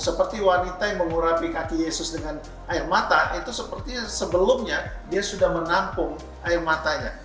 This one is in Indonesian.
seperti wanita yang mengurapi kaki yesus dengan air mata itu seperti sebelumnya dia sudah menampung air matanya